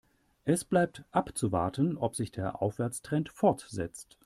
Es bleibt abzuwarten, ob sich der Aufwärtstrend fortsetzt.